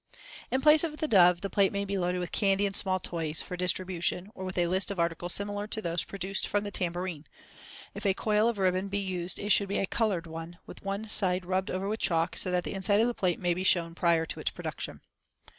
In place of the dove the plate may be loaded with candy and small toys, for distribution; or with a list of articles similar to those produced from the tambourine. If a coil of ribbon be used it should be a colored one, with one side rubbed over with chalk so that the inside of the plate may be shown prior to its production.